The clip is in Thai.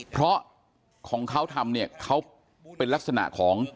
เพราะของเขาทำเนี่ยเขาเป็นลักษณะของ